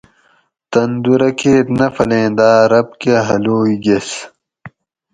تن دُو رکیت نفلیں داۤ رب کہ ہلوئ گیس